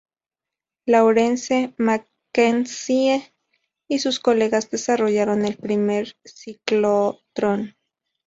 Lawrence, MacKenzie, y sus colegas desarrollaron el primer ciclotrón.